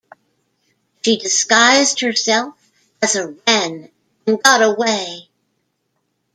She disguised herself as a Wren and got away.